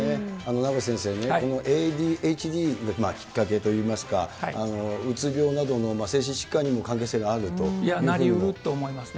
名越先生ね、ＡＤＨＤのきっかけといいますか、うつ病などの精神疾患にも関係性なりうると思いますね。